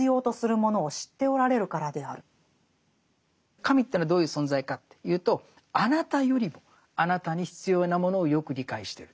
神というのはどういう存在かというとあなたよりもあなたに必要なものをよく理解してるそういう存在なんだって。